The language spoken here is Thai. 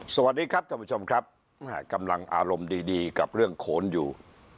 สวัสดีครับท่านผู้ชมครับกำลังอารมณ์ดีดีกับเรื่องโขนอยู่